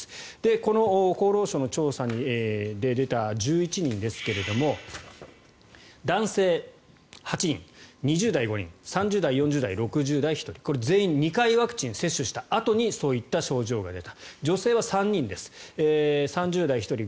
この厚労省の調査で出た１１人ですが男性８人、２０代５人３０代、４０代、６０代１人これ、全員２回ワクチン接種したあとにそういった症状が出た。